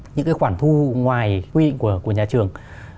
những cái khoản thu ngoài quy định của nhà trường